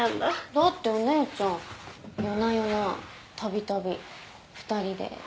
だってお姉ちゃん夜な夜なたびたび２人で密室で密会。